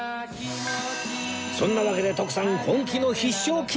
そんなわけで徳さん本気の必勝祈願！